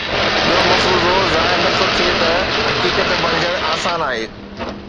ٻيو مفروضو ظاهر نٿو ٿئي ته حقيقت بنجڻ آسان آهي